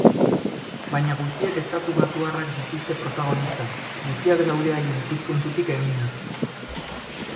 Baina guztiek estatubatuarrak dituzte protagonista, guztiak daude haien ikuspuntutik eginak.